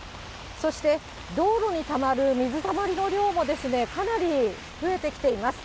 そして道路にたまる水たまりの量もかなり増えてきています。